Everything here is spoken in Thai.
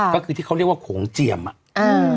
ก็คือที่เขาเรียกว่าโขงเจียมอ่ะอ่า